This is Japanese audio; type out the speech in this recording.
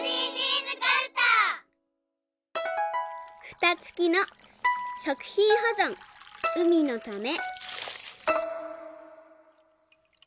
「ふたつきの食品ほぞん海のため」。